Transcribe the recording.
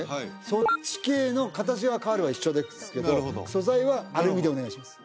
そっち系の形が変わるは一緒ですけど素材はアルミでお願いします